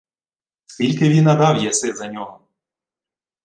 — Скільки віна дав єси за нього?